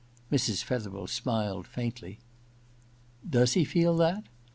Mrs. Fetherel smiled faintly. * Does he feel that?'